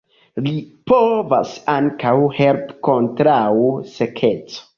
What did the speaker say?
Li povas ankaŭ helpi kontraŭ sekeco.